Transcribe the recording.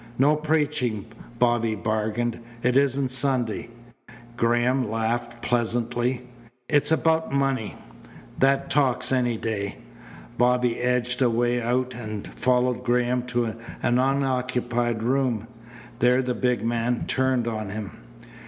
"No preaching," Bobby bargained. "It isn't Sunday." Graham laughed pleasantly. "It's about money. That talks any day." Bobby edged a way out and followed Graham to an unoccupied room. There the big man turned on him.